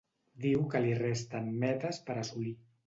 Diu que li resten metes per assolir.